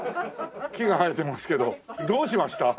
木が生えてますけどどうしました？